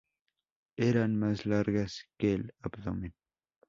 Eran más largas que el abdomen.